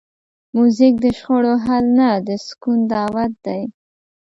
موزیک د شخړو حل نه، د سکون دعوت دی.